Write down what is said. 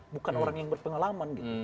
bukan orang yang berpengalaman